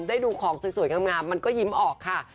ได้ดูของสวยงามมันก็ยิ้มออกค่ะ